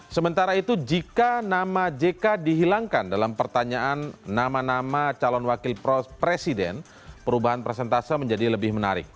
sementara itu jika nama jk dihilangkan dalam pertanyaan nama nama calon wakil presiden perubahan presentase menjadi lebih menarik